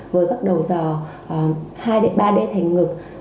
với các đầu dò ba d thành ngực